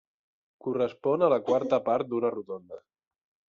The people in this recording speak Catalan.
Correspon a la quarta part d'una rodona.